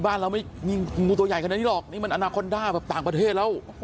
บ้านเราไม่มีงูตัวใหญ่ขนาดนี้หรอกนี่มันอนาคอนด้าแบบต่างประเทศแล้ว